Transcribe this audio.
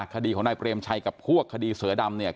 คดีของนายเปรมชัยกับพวกคดีเสือดำเนี่ย